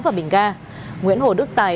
và bình ga nguyễn hồ đức tài